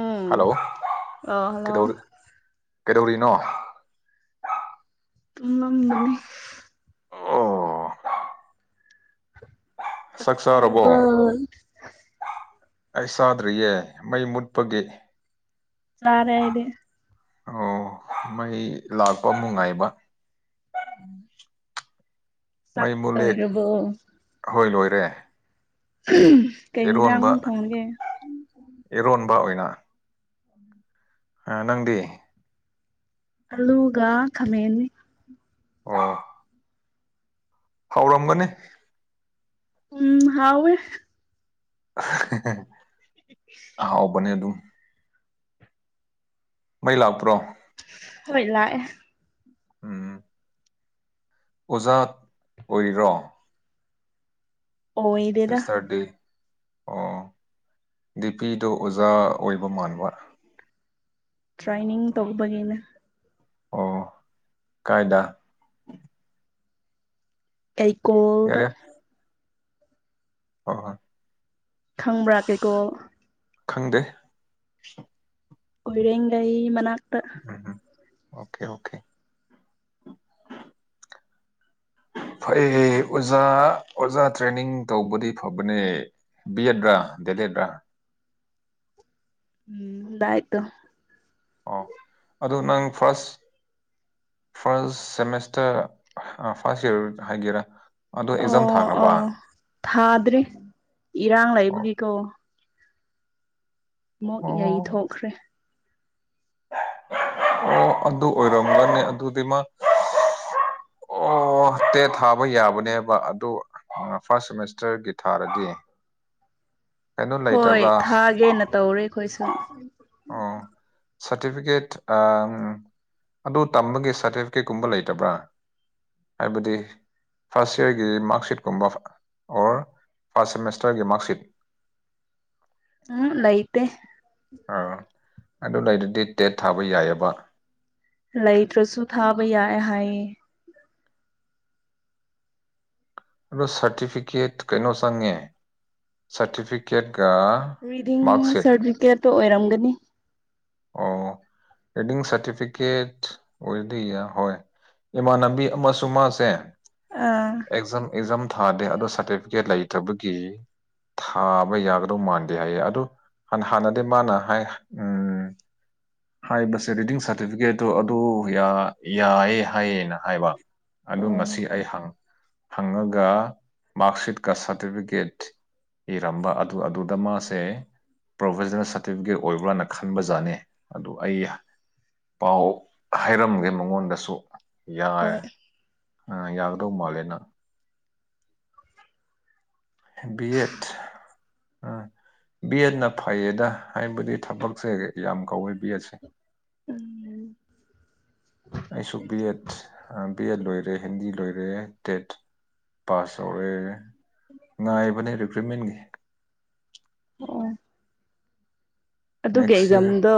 ꯎꯝ hello ꯑꯥ hello ꯀꯩꯗꯧ ꯀꯩꯗꯧꯔꯤꯅꯣ ꯇꯨꯝꯃꯝꯕꯅꯦ ꯑꯣ ꯆꯥꯛ ꯆꯥꯔꯕꯣ ꯆꯥꯛꯆꯥꯔꯕꯣ ꯑꯩ ꯆꯥꯗ꯭ꯔꯤꯌꯦ ꯃꯩ ꯃꯨꯠꯄꯒꯤ ꯆꯥꯔꯦ ꯑꯩꯗꯤ ꯑꯣ ꯃꯩ ꯂꯥꯛꯄ ꯑꯃꯨꯛ ꯉꯥꯏꯕ ꯎꯝ ꯃꯩ ꯃꯨꯂꯦ ꯑꯍꯣꯏ ꯂꯣꯏꯔꯦ ꯀꯩ ꯏꯟꯖꯥꯡ ꯑꯦꯔꯣꯟꯕ ꯊꯣꯡꯒꯦ ꯑꯦꯔꯣꯟꯕ ꯑꯣꯏꯅ ꯍꯥ ꯅꯪꯗꯤ ꯑꯜꯂꯨꯒ ꯈꯥꯃꯦꯟꯅꯦ ꯑꯣ ꯍꯥꯎꯔꯝꯒꯅꯤ ꯎꯝ ꯍꯥꯎꯋꯦ ꯍꯥꯍꯥ ꯍꯥꯎꯕꯅꯦ ꯑꯗꯨꯝ ꯃꯩ ꯂꯥꯛꯄ꯭ꯔꯣ ꯍꯣꯏ ꯂꯥꯛꯑꯦ ꯎꯝ ꯑꯣꯖꯥ ꯑꯣꯏꯔꯤꯔꯣ ꯑꯣꯢꯗꯦꯗ ꯁꯤꯁꯇꯔꯗꯤ ꯑꯣ ꯗꯤꯄꯤꯗꯣ ꯑꯣꯖꯥ ꯑꯣꯏꯕ ꯃꯥꯟꯕ ꯇ꯭ꯔꯦꯟꯅꯤꯡ ꯇꯧꯕꯒꯤꯅꯦ ꯑꯣ ꯀꯥꯏꯗ ꯀꯩꯀꯣꯜꯗ ꯍꯣ ꯍꯣꯏ ꯈꯪꯕ꯭ꯔꯥ ꯀꯩꯀꯣꯜ ꯈꯪꯗꯦ ꯀꯣꯢꯔꯦꯡꯂꯩ ꯃꯅꯥꯛ ꯎꯝ ꯎꯝ ꯑꯣꯀꯦ ꯑꯣꯀꯦ ꯐꯩꯌꯦ ꯑꯣꯖꯥ ꯑꯣꯖꯥ ꯇ꯭ꯔꯦꯅꯤꯡ ꯇꯧꯕꯗꯤ ꯐꯕꯅꯦ ꯕꯤꯑꯦꯗꯔꯥ ꯑꯦꯗꯦꯗꯔꯥ ꯎꯝ ꯗꯥꯏꯠꯇꯣ ꯑꯣ ꯑꯗꯣ ꯅꯪ first first semester first year ꯍꯥꯏꯒꯦꯔ ꯑꯣ ꯑꯣ ꯊꯥꯗ꯭ꯔꯤ ꯏꯔꯥꯡ ꯑꯣ ꯂꯩꯕꯒꯤꯀꯣ ꯑꯃꯨꯛ ꯌꯩ ꯑꯣ ꯊꯣꯛꯈ꯭ꯔꯦ ꯑꯣ ꯑꯗꯨ ꯑꯣꯏꯔꯝꯒꯅꯤ ꯑꯗꯨꯗꯤ ꯃꯥ ꯑꯣ ꯇꯦꯠ ꯊꯥꯕ ꯌꯥꯕꯅꯦꯕ ꯑꯗꯨ ꯐꯥꯔꯁ ꯁꯦꯃꯦꯁꯇꯔꯒꯤ ꯊꯥꯔꯗꯤ ꯀꯩꯅꯣ ꯍꯣꯏ ꯂꯩꯇꯕ꯭ꯔꯥ ꯊꯥꯒꯦꯅ ꯇꯧꯔꯦ ꯑꯩꯈꯣꯏꯁꯨ ꯑꯣ ꯁꯥꯔꯇꯤꯐꯤꯀꯦꯠ ꯑꯥ ꯑꯗꯨ ꯇꯝꯕꯒꯤ ꯁꯥꯔꯇꯤꯐꯤꯀꯦꯠꯀꯨꯝꯕ ꯂꯩꯇꯕ꯭ꯔꯥ ꯍꯥꯏꯕꯗꯤ ꯐꯥꯔꯁ ꯏꯌꯥꯔꯒꯤ ꯃꯥꯔꯛꯁꯤꯠꯀꯨꯝꯕ ꯑꯣꯔ ꯐꯥꯔꯁ ꯁꯦꯃꯦꯁꯇꯔꯒꯤ ꯃꯥꯔꯛꯁꯤꯠ [inaudible] ꯎꯝ ꯂꯥꯏꯇꯦ ꯑꯥ ꯑꯗꯨ ꯂꯩꯔꯗꯤ ꯇꯦꯠ ꯊꯥꯕ ꯌꯥꯏꯑꯕ ꯂꯩꯇ꯭ꯔꯁꯨ ꯊꯥꯕ ꯌꯥꯏ ꯍꯥꯏꯌꯦ ꯑꯗꯣ ꯁꯥꯔꯇꯤꯐꯤꯀꯦꯠ ꯀꯩꯅꯣ ꯆꯪꯉꯦ ꯁꯥꯔꯇꯤꯐꯤꯀꯦꯠ ꯔꯤꯗꯤꯡ ꯁꯥꯔꯇꯤꯐꯤꯀꯦꯠꯇꯣ ꯑꯣꯏꯔꯝꯒꯅꯤ ꯑꯣ ꯔꯤꯗꯤꯡ ꯁꯔꯇꯤꯐꯤꯀꯦꯠ ꯑꯣꯏꯗꯤ ꯌꯥ ꯍꯣꯏ ꯏꯃꯥꯟꯅꯕꯤ ꯑꯃꯁꯨ ꯃꯥꯁꯦ ꯑꯥ ꯑꯦꯛꯖꯥꯝ ꯑꯦꯛꯖꯥꯝ ꯊꯥꯗꯦ ꯑꯗꯣ ꯁꯥꯔꯇꯤꯐꯤꯀꯦꯠ ꯂꯩꯇꯕꯒꯤ ꯊꯥꯕ ꯌꯥꯒꯗꯧ ꯃꯥꯟꯗꯦ ꯍꯥꯏꯌꯦ ꯑꯗꯨ ꯍꯥꯟ ꯍꯥꯟꯅꯗꯤ ꯃꯥꯅ ꯍꯥꯏ ꯎꯝ ꯍꯥꯏꯕꯁꯦ ꯔꯤꯗꯤꯡ ꯁꯥꯔꯇꯤꯐꯤꯀꯦꯠꯇꯣ ꯑꯗꯨ ꯌꯥ ꯌꯥꯏꯌꯦ ꯍꯥꯏꯌꯦꯅ ꯍꯥꯏꯕ ꯑꯗꯨ ꯑꯣ ꯉꯁꯤ ꯑꯩ ꯍꯪ ꯍꯪꯉꯒ ꯃꯥꯔꯛꯁꯤꯠꯀ ꯁꯥꯔꯇꯤꯐꯤꯀꯦꯠ ꯄꯤꯔꯝꯕ ꯑꯗꯨ ꯑꯗꯨꯗ ꯃꯥꯁꯦ ꯄ꯭ꯔꯣꯕꯖꯅꯦꯜ ꯁꯥꯔꯇꯤꯐꯤꯀꯦꯠ ꯑꯣꯏꯕ꯭ꯔꯥꯅ ꯈꯟꯕꯖꯥꯠꯅꯤ ꯑꯗꯨ ꯑꯩ ꯄꯥꯎ ꯍꯥꯏꯔꯝꯒꯦ ꯃꯉꯣꯟꯗꯁꯨ ꯌꯥꯢ ꯍꯣꯏ ꯑꯥ ꯌꯥꯒꯗꯧ ꯃꯥꯜꯂꯦꯅ ꯕꯤ ꯑꯦꯠ ꯑ ꯕꯤ ꯑꯦꯠꯅ ꯐꯩꯌꯦꯗ ꯍꯥꯏꯕꯗꯤ ꯊꯕꯛꯁꯦ ꯌꯥꯝ ꯀꯧꯋꯦꯕꯤꯑꯦꯠꯁꯦ ꯎꯝ ꯑꯩꯁꯨ ꯕꯤ ꯑꯦꯠ ꯑ ꯕꯤ ꯑꯦꯠ ꯂꯣꯏꯔꯦ ꯍꯤꯟꯗꯤ ꯂꯣꯏꯔꯦ ꯇꯦꯠ ꯄꯥꯁ ꯇꯧꯔꯦ ꯉꯥꯏꯕꯅꯦ ꯔꯤꯀ꯭ꯔꯨꯏꯠꯃꯦꯟꯒꯤ ꯑꯣ ꯑꯗꯨꯒꯤ ꯅꯦꯛꯁ ꯌꯔ ꯑꯦꯛꯖꯥꯝꯗꯣ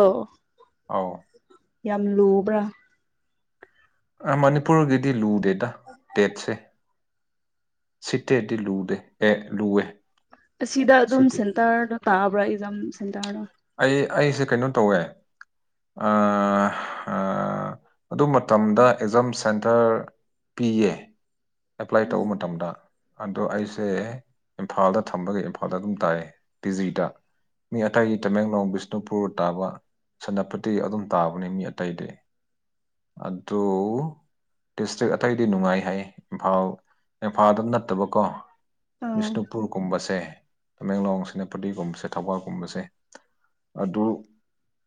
ꯑꯥꯎ ꯌꯥꯝ ꯂꯨꯕ꯭ꯔꯥ ꯑ ꯃꯅꯤꯄꯨꯔꯒꯤꯗꯤ ꯂꯨꯗꯦꯗ ꯇꯦꯠꯁꯦ ꯁꯤꯇꯦꯠꯗꯤ ꯂꯨꯗꯦ ꯑꯦ ꯂꯨꯋꯦ ꯑꯁꯤꯗ ꯑꯗꯨꯝ ꯁꯤꯇꯤ ꯁꯦꯟꯇꯔꯗꯣ ꯇꯥꯕ꯭ꯔꯥ ꯑꯦꯖꯝ ꯁꯦꯟꯇꯔꯗꯣ ꯑꯩ ꯑꯩꯁꯦ ꯀꯩꯅꯣ ꯇꯧꯋꯦ ꯑꯥ ꯑꯥ ꯑꯗꯨ ꯃꯇꯝꯗ ꯑꯦꯛꯖꯥꯝ ꯁꯦꯟꯇꯔ ꯄꯤꯌꯦ ꯑꯦꯄ꯭ꯂꯥꯏ ꯇꯧꯕ ꯃꯇꯝꯗ ꯑꯗꯣ ꯑꯩꯁꯦ ꯏꯝꯐꯥꯜꯗ ꯊꯝꯕꯒ ꯏꯝꯐꯥꯜꯗ ꯑꯗꯨꯝ ꯇꯥꯏꯑꯌꯦ ꯇꯤ ꯖꯤꯗ ꯃꯤ ꯑꯇꯩ ꯇꯃꯦꯡꯂꯣꯡ ꯕꯤꯁꯅꯨꯄꯨꯔ ꯇꯥꯕ ꯁꯦꯅꯥꯄꯇꯤ ꯑꯗꯨꯝ ꯇꯥꯕꯅꯤ ꯃꯤ ꯑꯇꯩꯗꯤ ꯑꯗꯨ ꯗꯤꯁꯇ꯭ꯔꯤꯛ ꯑꯇꯩꯗꯤ ꯅꯨꯡꯉꯥꯏ ꯍꯥꯏꯌꯦ ꯏꯝꯐꯥꯜ ꯏꯝꯐꯥꯜꯗ ꯅꯠꯇꯕꯀꯣ ꯑꯥ ꯕꯤꯁꯅꯨꯄꯨꯔꯒꯨꯝꯕꯁꯦ ꯇꯃꯦꯡꯂꯣꯡ ꯁꯦꯅꯥꯄꯗꯤꯒꯨꯝꯕꯁꯦ ꯊꯧꯕꯥꯜꯒꯨꯝꯕꯁꯦ ꯑꯗꯨ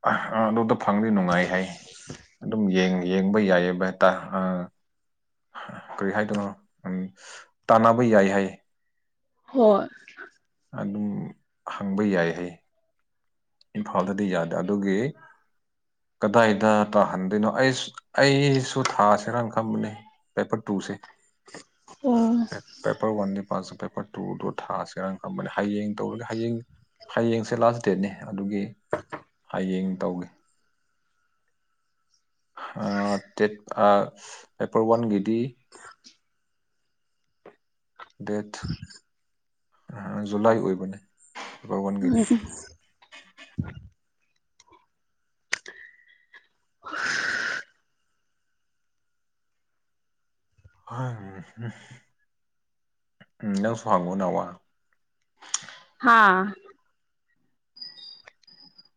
ꯑ ꯑꯗꯨꯗ ꯐꯪꯗꯤ ꯅꯨꯡꯉꯥꯏ ꯍꯥꯏꯌꯦ ꯑꯗꯨꯝ ꯌꯦꯡ ꯌꯦꯡꯕ ꯌꯥꯏꯑꯕ ꯍꯦꯇꯥ ꯑꯥ ꯀꯔꯤ ꯍꯥꯏꯗꯣꯏꯅꯣ ꯑꯪ ꯇꯥꯟꯅꯕ ꯌꯥꯏ ꯍꯥꯏꯌꯦ ꯍꯣꯏ ꯑꯗꯨꯝ ꯍꯪꯕ ꯌꯥꯏ ꯍꯥꯏꯌꯦ ꯏꯝꯐꯥꯜꯗꯗꯤ ꯌꯥꯗ ꯑꯗꯨꯒꯤ ꯀꯗꯥꯏꯗ ꯇꯥꯍꯟꯗꯣꯏꯅꯣ ꯑꯩ ꯑꯩꯁꯨ ꯊꯥꯁꯤꯔꯥꯅ ꯈꯪꯕꯅꯤ ꯄꯦꯄꯔ ꯇꯨꯁꯦ ꯄꯦꯄꯔ ꯋꯥꯟꯗꯤ ꯄꯥꯁ ꯄꯦꯄꯔ ꯇꯨꯗꯣ ꯊꯥꯁꯤꯔ ꯑꯝꯅ ꯍꯌꯦꯡ ꯇꯧꯔꯒ ꯍꯌꯦꯡ ꯍꯌꯦꯡꯁꯦ ꯂꯥꯁ ꯗꯦꯠꯅꯦ ꯑꯗꯨꯒꯤ ꯍꯌꯦꯡ ꯇꯧꯅꯤ ꯑ ꯇꯦꯠ ꯑ ꯄꯦꯄꯔ ꯋꯥꯟꯒꯤꯗꯤ ꯗꯦꯠ ꯑ ꯖꯨꯂꯥꯏ ꯑꯣꯏꯕꯅꯦ ꯄꯦꯄꯔ ꯑ ꯋꯥꯟꯒꯤꯗꯤ ꯑꯗꯨꯅꯦ [unintelligible] ꯎꯝ ꯅꯪꯁꯨꯍꯪꯉꯣ ꯅꯥ ꯋꯥ ꯍꯥꯥ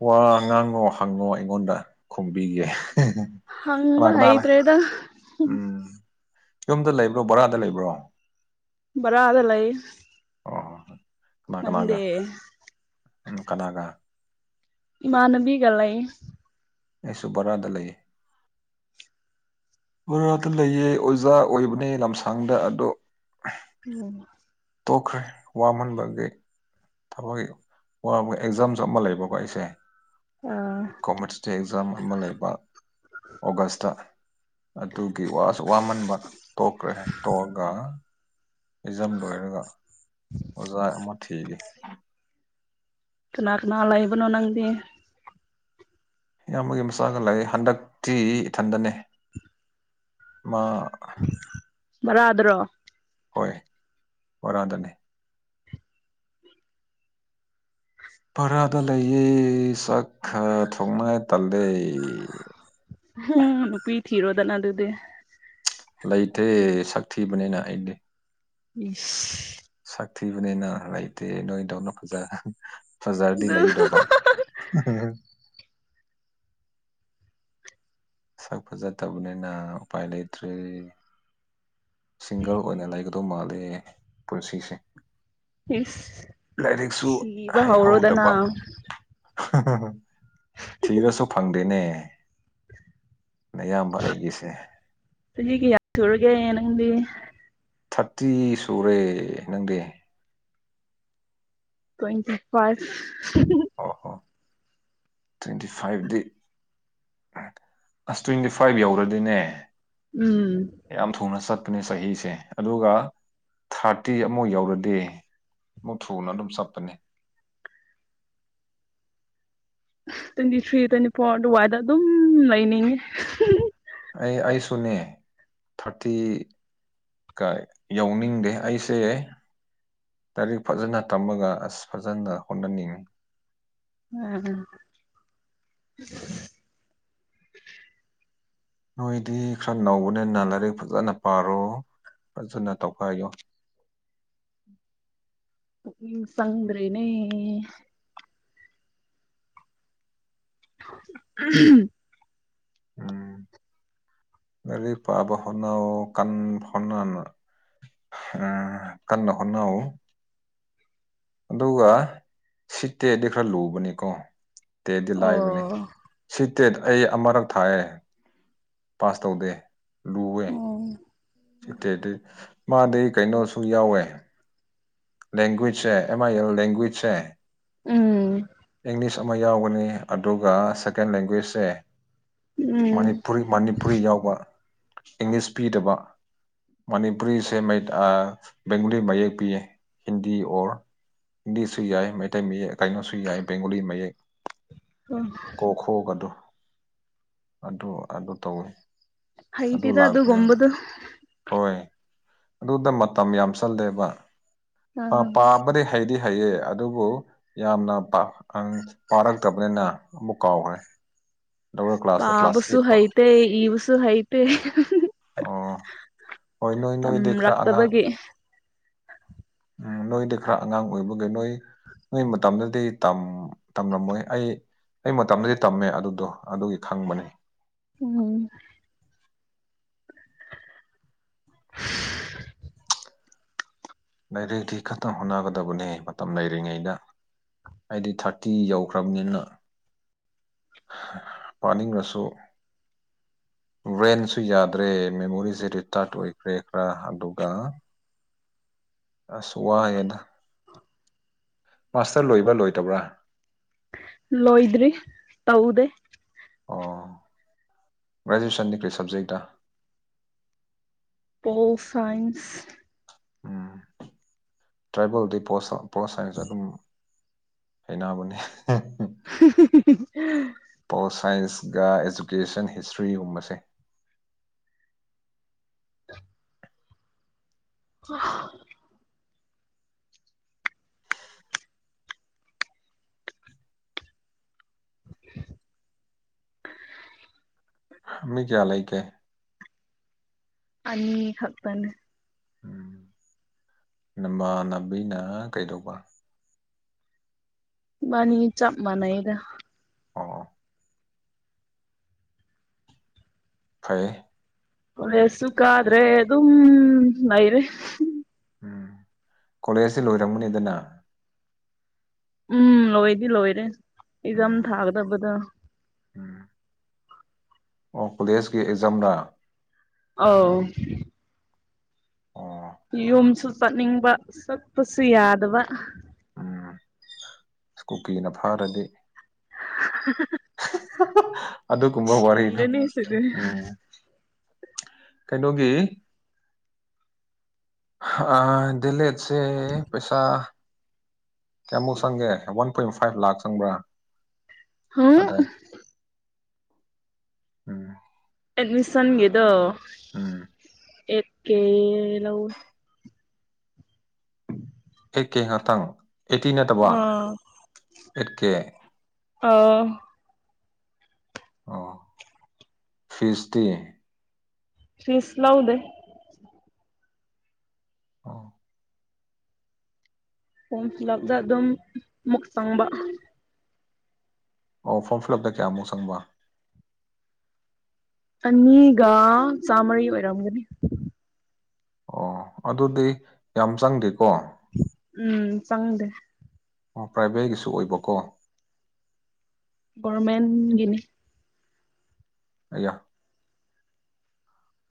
ꯋꯥ ꯉꯥꯡꯉꯣ ꯍꯪꯉꯣ ꯑꯩꯉꯣꯟꯗ ꯈꯨꯝꯕꯤꯒꯦ ꯍꯪꯕ ꯀꯅꯥ ꯀꯅꯥ ꯂꯩ ꯍꯩꯇ꯭ꯔꯦꯗ ꯎꯝ ꯌꯨꯝꯗ ꯂꯩꯕ꯭ꯔꯣ ꯚꯔꯥꯗ ꯂꯩꯕ꯭ꯔꯣ ꯚꯔꯥꯗ ꯂꯩꯌꯦ ꯑꯣ ꯀꯅꯥ ꯀꯅꯥꯒ ꯎꯝ ꯀꯅꯥꯒ ꯏꯃꯥꯟꯅꯕꯤꯒ ꯂꯩꯌꯦ ꯑꯩꯁꯨ ꯕꯔꯥꯗ ꯂꯩꯌꯦ ꯕꯔꯥꯗ ꯂꯩꯌꯦ ꯑꯣꯖꯥ ꯑꯣꯏꯕꯅꯦ ꯂꯝꯁꯥꯡꯗ ꯑꯗꯣ ꯎꯝ ꯇꯣꯛꯈ꯭ꯔꯦ ꯋꯥꯃꯟꯕꯒꯤ ꯊꯕꯛ ꯋꯥꯕ ꯑꯦꯛꯖꯥꯝꯁꯨ ꯑꯃ ꯂꯩꯕꯀꯣ ꯑꯩꯁꯦ ꯑꯥ ꯀꯣꯝꯄꯤꯇꯤꯇꯤꯞ ꯑꯦꯛꯖꯥꯝ ꯑꯃ ꯂꯩꯕ ꯑꯣꯒꯁꯇ ꯑꯗꯨꯒꯤ ꯋꯥꯁꯨ ꯋꯥꯃꯟꯕ ꯇꯣꯛꯈ꯭ꯔꯦ ꯇꯣꯛꯑꯒ ꯑꯦꯛꯖꯝ ꯂꯣꯏꯔꯒ ꯑꯣꯖꯥ ꯑꯃ ꯊꯤꯒꯦ ꯀꯅꯥ ꯀꯅꯥ ꯂꯩꯕꯅꯣ ꯅꯪꯗꯤ ꯏꯌꯥꯝꯕꯒꯤ ꯃꯆꯥꯒ ꯂꯩꯌꯦ ꯍꯟꯗꯛꯇꯤ ꯏꯊꯟꯗꯅꯦ ꯃꯥ ꯚꯔꯥꯗꯔꯣ ꯍꯣꯏ ꯕꯔꯥꯗꯅꯦ ꯚꯔꯥꯗ ꯂꯩꯌꯦ ꯆꯛ ꯈ ꯊꯣꯡꯅꯤꯡꯉꯥꯏ ꯇꯜꯂꯦ ꯍꯝ ꯅꯨꯄꯤ ꯊꯤꯔꯣꯗꯅ ꯑꯗꯨꯗꯤ ꯂꯩꯇꯦ ꯁꯛꯊꯤꯕꯅꯤꯅ ꯑꯩꯗꯤ ꯏꯁ ꯁꯛ ꯊꯤꯕꯅꯤꯅ ꯂꯩꯇꯦ ꯅꯣꯏꯗꯧꯅ ꯐꯖ ꯐꯖꯔꯗꯤ ꯑꯗꯨ ꯂꯩꯗꯧꯕ ꯍ ꯍ ꯁꯛ ꯐꯖꯗꯕꯅꯤꯅ ꯎꯄꯥꯏ ꯂꯩꯇ꯭ꯔꯦ ꯁꯤꯡꯒꯜ ꯑꯣꯏꯅ ꯂꯩꯒꯗꯧ ꯃꯥꯜꯂꯦ ꯄꯨꯟꯁꯤꯁꯦ ꯏꯁ ꯂꯥꯏꯔꯤꯛꯁꯨ ꯊꯤꯕ ꯍꯧꯥꯔꯣꯗꯅ ꯍ ꯍ ꯍ ꯊꯤꯔꯁꯨ ꯐꯪꯗꯦꯅꯦ ꯑꯌꯥꯝꯕ ꯑꯩꯒꯤꯁꯦ ꯆꯍꯤ ꯀꯌꯥ ꯍꯨꯔꯒꯦ ꯅꯪꯗꯤ ꯊꯥꯔꯇꯤ ꯁꯨꯔꯦ ꯅꯪꯗꯤ ꯇ꯭ꯋꯦꯟꯇꯤ ꯐꯥꯢꯕ ꯑꯣ ꯑꯣ ꯇ꯭ꯋꯦꯟꯇꯤ ꯐꯥꯏꯚꯗꯤ ꯑꯁ ꯇ꯭ꯋꯦꯟꯇꯤ ꯐꯥꯏꯚ ꯌꯧꯔꯗꯤꯅꯦ ꯎꯝ ꯌꯥꯝ ꯊꯨꯅ ꯆꯠ ꯅꯦ ꯆꯍꯤꯁꯦ ꯑꯗꯨꯒ ꯊꯥꯔꯇꯤ ꯑꯃꯨꯛ ꯌꯧꯔꯗꯤ ꯃꯨꯛ ꯊꯨꯅ ꯑꯗꯨꯝ ꯆꯠꯄꯅꯦ ꯇ꯭ꯋꯦꯟꯇꯤ ꯊ꯭ꯔꯤ ꯇ꯭ꯋꯦꯟꯇꯤ ꯐꯣꯔ ꯑꯗꯨꯋꯥꯏꯗ ꯑꯗꯨꯝ ꯂꯩꯅꯤꯡꯉꯦ ꯍꯝꯍꯝ ꯑꯩ ꯑꯩꯁꯨꯅꯦ ꯊꯥꯔꯇꯤ ꯒ ꯌꯧꯅꯤꯡꯗꯦ ꯑꯩꯁꯦ ꯂꯥꯏꯔꯤꯛ ꯐꯖꯅ ꯇꯝꯃꯒ ꯑꯁ ꯐꯖꯅ ꯍꯣꯠꯅꯅꯤꯡ ꯑ ꯑꯗꯨ ꯅꯣꯏꯗꯤ ꯈꯔ ꯅꯧꯕꯅꯦꯅ ꯂꯥꯏꯔꯤꯛ ꯐꯖꯅ ꯄꯥꯔꯣ ꯐꯖꯅ ꯇꯧꯈꯥꯏꯌꯣ [inaudible] ꯄꯨꯛꯅꯤꯡ ꯆꯗ꯭ꯔꯦꯅꯦ ꯑꯍꯝ ꯎꯝ ꯂꯥꯢꯔꯤꯛ ꯄꯥꯕ ꯍꯣꯠꯅꯧꯋꯣ ꯀꯟ ꯍꯣꯠꯅꯅ ꯍꯥ ꯀꯟꯅ ꯍꯣꯠꯅꯧꯋꯣ ꯑꯗꯨꯒ ꯁꯤ ꯇꯦꯠꯗꯤ ꯈꯔ ꯂꯨꯕꯅꯦꯀꯣ ꯇꯦꯗꯤ ꯂꯥꯏꯕꯅꯦ ꯑꯣ ꯁꯤꯠꯇꯦꯠ ꯑꯩ ꯑꯃꯔꯛ ꯊꯥꯢꯌꯦ ꯄꯥꯁ ꯇꯧꯗꯦ ꯑꯣ ꯁꯤ ꯇꯦꯠꯗꯤ ꯃꯥꯗꯤ ꯀꯩꯅꯣꯁꯨ ꯌꯥꯎꯋꯦ ꯂꯦꯡꯒ꯭ꯋꯦꯖꯁꯦ ꯑꯦꯝ ꯑꯥꯏ ꯑꯦꯜ ꯂꯦꯡꯒ꯭ꯋꯦꯖꯁꯦ ꯎꯝ ꯏꯂꯤꯁ ꯑꯃ ꯌꯥꯎꯕꯅꯦ ꯑꯗꯨꯒ ꯁꯦꯀꯦꯟ ꯂꯦꯡꯒ꯭ꯋꯦꯁꯁꯦ ꯃꯅꯤꯄꯨꯔꯤ ꯃꯅꯤꯄꯨꯔꯤ ꯌꯥꯎꯕ ꯏꯪꯂꯤꯁ ꯄꯤꯗꯕ ꯃꯅꯤꯄꯨꯔꯤꯁꯦ ꯃꯩꯠ ꯑꯥ ꯕꯦꯡꯒꯣꯂꯤ ꯃꯌꯦꯛ ꯄꯤꯌꯦ ꯍꯤꯟꯗꯤ ꯑꯣꯔ ꯏꯪꯂꯤꯁꯁꯨ ꯌꯥꯏꯌꯦ ꯃꯩꯇꯩ ꯃꯌꯦꯛ ꯀꯩꯅꯣꯁꯨ ꯌꯥꯏꯌꯦ ꯕꯦꯡꯒꯣꯂꯤ ꯃꯌꯦꯛ ꯎꯝ ꯀꯣ ꯈꯣꯒꯗꯨ ꯑꯗꯨ ꯑꯗꯨ ꯇꯧꯋꯦ ꯑꯗꯨ ꯍꯩꯇꯦꯗ ꯂꯥꯛꯄꯅꯤꯅ ꯑꯗꯨꯒꯨꯝꯕꯗꯣ ꯍꯣꯏ ꯑꯗꯨꯗ ꯃꯇꯝ ꯌꯥꯝ ꯆꯠꯂꯦꯕ ꯑꯥ ꯄꯥꯕꯗꯤ ꯍꯩꯗꯤ ꯍꯩꯌꯦ ꯑꯗꯨꯕꯨ ꯌꯥꯝꯅ ꯄꯥ ꯑꯪ ꯄꯥꯔꯛꯇꯕꯅꯤꯅ ꯑꯃꯨꯛ ꯀꯥꯎꯈ꯭ꯔꯦ ꯂꯧꯔ ꯀ꯭ꯂꯥꯁꯇ ꯀ꯭ꯂꯥꯁ ꯄꯥꯕꯁꯨ ꯑꯩꯠ ꯐꯥꯎ ꯍꯩꯇꯦ ꯏꯕꯁꯨ ꯍꯩꯇꯦ ꯍꯦꯍꯦꯍꯦꯍꯨꯝ ꯑꯣ ꯍꯣꯏ ꯅꯣꯏ ꯅꯣꯏꯗꯤ ꯈꯔ ꯑꯉꯥꯡ ꯇꯝꯔꯛꯇꯕꯒꯤ ꯎꯝ ꯅꯣꯏꯗꯤ ꯈꯔ ꯑꯉꯥꯡ ꯑꯣꯏꯕꯒ ꯅꯣꯏ ꯅꯣꯏ ꯃꯇꯝꯗꯗꯤ ꯇꯝ ꯇꯝꯔꯝꯃꯣꯏ ꯑꯩ ꯑꯩ ꯃꯇꯝꯗꯗꯤ ꯇꯝꯃꯦ ꯑꯗꯨꯗꯣ ꯑꯗꯨꯒꯤ ꯈꯪꯕꯅꯦ ꯎꯝ ꯂꯥꯏꯔꯤꯛꯇꯤ ꯈꯛꯇ ꯍꯣꯠꯅꯒꯗꯕꯅꯦ ꯃꯇꯝ ꯂꯩꯔꯤꯉꯩꯗ ꯑꯩꯗꯤ ꯊꯥꯔꯇꯤ ꯌꯧꯈ꯭ꯔꯝꯅꯤꯅ ꯍꯥ ꯄꯥꯅꯤꯡꯔꯁꯨ ꯕ꯭ꯔꯦꯟꯁꯨ ꯌꯥꯗ꯭ꯔꯦ ꯃꯦꯃꯣꯔꯤꯁꯦ ꯔꯤꯇꯥꯔꯠ ꯑꯣꯏꯈ꯭ꯔꯦ ꯈꯔ ꯑꯗꯨꯒ ꯑꯁ ꯋꯥꯢꯌꯦꯗ ꯃꯥꯁꯇꯔ ꯂꯣꯏꯕ꯭ꯔ ꯂꯣꯏꯗꯕ꯭ꯔꯥ ꯂꯣꯏꯗ꯭ꯔꯤ ꯇꯧꯗꯦ ꯑꯣ ꯒ꯭ꯔꯦꯖꯨꯌꯦꯁꯟꯗꯤ ꯀꯩ ꯁꯕꯖꯦꯛꯇ ꯄꯣꯜ ꯁꯥꯏꯟꯁ ꯎꯝ ꯇ꯭ꯔꯥꯏꯕꯦꯜꯗꯤ ꯄꯣꯜ ꯁꯥ ꯄꯣꯜ ꯁꯥꯏꯟꯁ ꯑꯗꯨꯝ ꯍꯩꯅꯕꯅꯦ ꯍꯤꯍꯤꯍꯤꯍꯤ ꯍꯥ ꯒꯥ ꯑꯦꯖꯨꯀꯦꯁꯟ ꯍꯤꯁꯇ꯭ꯔꯤꯒꯨꯝꯕꯁꯦ ꯍꯥ [inaudible] ꯍꯥ ꯃꯤ ꯀꯌꯥ ꯂꯩꯒꯦ ꯑꯅꯤ ꯈꯛꯇꯅꯦ ꯎꯝ ꯅꯃꯥꯟꯅꯕꯤꯅ ꯀꯩꯗꯧꯕ ꯕꯥꯟꯅꯤ ꯆꯞ ꯃꯥꯟꯅꯩꯗ ꯑꯣ ꯐꯩꯌꯦ ꯀꯣꯂꯦꯖꯁꯨ ꯀꯥꯗ꯭ꯔꯦ ꯑꯗꯨꯝ ꯂꯩꯔꯦ ꯍꯨꯝ ꯎꯝ ꯀꯣꯂꯦꯖꯁꯤ ꯂꯣꯏꯔꯝꯒꯅꯤꯗꯅ ꯎꯝ ꯂꯣꯏꯗꯤ ꯂꯣꯏꯔꯦ ꯏꯖꯥꯝ ꯎꯝ ꯊꯥꯒꯗꯕꯗ ꯎꯝ ꯑꯣ ꯀꯣꯂꯦꯖꯀꯤ ꯑꯦꯖꯝꯔꯥ ꯑꯥꯎ ꯑꯣ ꯌꯨꯝꯁꯨ ꯆꯠꯅꯤꯡꯕ ꯆꯠꯄꯁꯨ ꯌꯥꯗꯕ ꯎꯝ ꯁ ꯀꯨꯀꯤꯅ ꯐꯥꯔꯗꯤ ꯍꯍ ꯑꯗꯨꯒꯨꯝꯕ ꯋꯥꯔꯤꯗꯣ ꯁꯤꯔꯅꯤ ꯁꯤꯗꯤ ꯎꯝ ꯀꯩꯅꯣꯒꯤ ꯑ ꯗꯤꯂꯦꯠ ꯁꯦ ꯄꯩꯁꯥ ꯀꯌꯥꯃꯨꯛ ꯆꯪꯒꯦ ꯋꯥꯟ ꯄꯣꯏꯟ ꯐꯥꯏꯚ ꯂꯥꯛ ꯆꯪꯕ꯭ꯔꯥ ꯍꯥ ꯑꯗꯥꯏ ꯎꯝ ꯑꯦꯠꯃꯤꯁꯟꯒꯤꯗꯣ ꯎꯝ ꯑꯩꯠ ꯀꯦ ꯂꯧ ꯑꯩꯠ ꯀꯦ ꯉꯥꯇꯪ ꯑꯩꯠꯇꯤ ꯅꯠꯇꯕ ꯑꯥ ꯑꯩꯠ ꯀꯦ ꯑꯥ ꯑ ꯐꯤꯁꯇꯤ ꯐꯤꯁ ꯂꯧꯗꯦ ꯑꯣ ꯐꯣꯔꯝ ꯐꯤꯜꯂꯞꯗ ꯑꯗꯨꯝ ꯃꯨꯛ ꯆꯪꯕ ꯑꯣ ꯐꯣꯔꯝ ꯐꯤꯜꯂꯞꯗ ꯀꯌꯥꯃꯨ ꯆꯪꯕꯥꯥ ꯑꯅꯤꯒ ꯆꯥꯝꯃꯔꯤ ꯑꯣꯏꯔꯝꯒꯅꯤ ꯑꯣ ꯑꯗꯨꯗꯤ ꯌꯥꯝ ꯆꯪꯗꯦꯀꯣ ꯎꯝ ꯆꯪꯗꯦ ꯑꯣ ꯄ꯭ꯔꯥꯏꯚꯦꯠꯒꯤꯁꯨ ꯑꯣꯏꯕꯀꯣ ꯒꯣꯔꯃꯦꯟꯒꯤꯅꯤ ꯑꯩꯌꯥ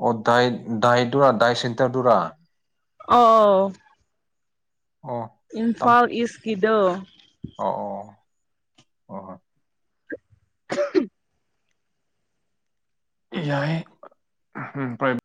ꯑꯣ ꯗꯥꯏꯠ ꯗꯥꯏꯇꯨꯔꯥ ꯗꯥꯏꯠ ꯁꯦꯟꯇꯔꯗꯨꯔꯥ ꯑꯣ ꯑꯣ ꯑꯣ ꯑꯣ ꯇꯝ ꯏꯝꯐꯥꯜ ꯏꯁ ꯀꯤꯗꯣ ꯑꯣ ꯑꯣ ꯍꯣ ꯍꯣꯏ ꯍꯝ ꯑꯦ ꯌꯥꯏꯌꯦ ꯑꯝ ꯑꯝ ꯄ꯭ꯔꯥꯢ